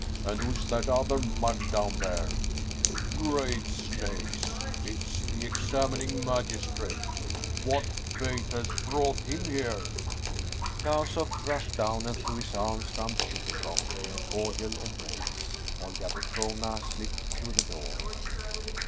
And who's that other mug down there ? Great snakes ! It is the examining magistrate ! What fate has brought him here ?" Klausoff rushed down and threw his arms round Chubi koff in a cordial embrace. Olga Petrovna slipped through the door.